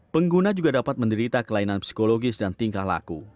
pengguna juga dapat menderita kelainan psikologis dan tingkah laku